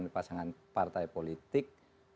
pasangan partai politik